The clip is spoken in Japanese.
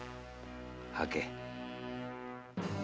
吐け。